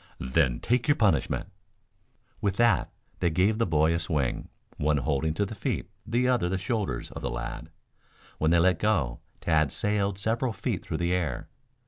"Then take your punishment!" With that they gave the boy a swing, one holding to the feet the other the shoulders of the lad. When they let go, Tad sailed several feet through the air.